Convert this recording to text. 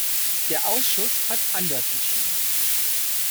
Der Ausschuss hat anders entschieden.